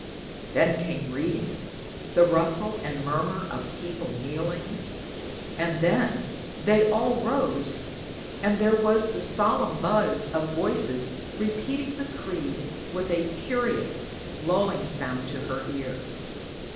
Then came reading, the rustle and murmur of people kneeling, and then they all rose and there was the solemn buzz of voices repeating the Creed with a curious lulling sound to her ear.